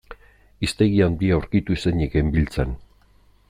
Hiztegi handia aurkitu ezinik genbiltzan.